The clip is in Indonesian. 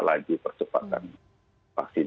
lagi percepatan vaksin